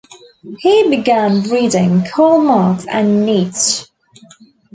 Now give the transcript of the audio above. He began reading Karl Marx and Nietzsche.